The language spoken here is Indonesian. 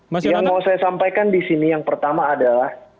yang mau saya sampaikan di sini yang pertama adalah